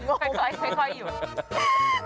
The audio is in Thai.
ค่อยอยู่